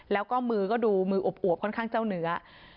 แล้วก็มือก็ดูมืออวบค่อนข้างเจ้าเนื้อ